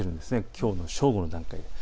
きょうの正午の段階です。